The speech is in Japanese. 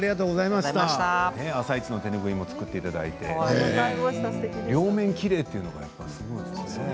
「あさイチ」の手拭いも作っていただいて両面きれいというのはすごいですね。